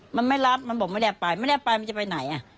มันไม่รับมันบอกไม่ได้ไปไม่ได้ไปมันจะไปไหนอ่ะ